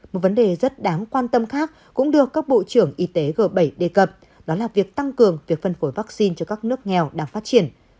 một vấn đề rất đáng quan tâm khác cũng được các bộ trưởng y tế g bảy đề cập đó là việc tăng cường việc phân phối vaccine cho các nước nghèo đang phát triển